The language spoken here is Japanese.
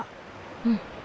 うん。